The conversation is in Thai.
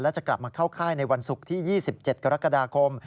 และจะกลับมาเข้าค่ายในวันศุกร์ที่๒๗กรกฎาคม